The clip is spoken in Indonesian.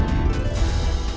kek kek kek kek kek